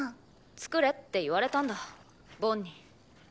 作れって言われたんだボンに。